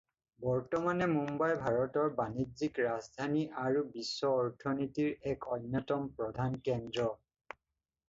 বৰ্তমানে মুম্বাই ভাৰতৰ বাণিজ্যিক ৰাজধানী আৰু বিশ্ব অৰ্থনীতিৰ এক অন্যতম প্ৰধান কেন্দ্ৰ।